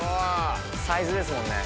サイズですもんね。